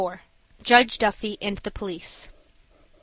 JUDGE DUFFY AND THE POLICE.